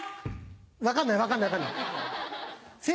分かんない分かんない。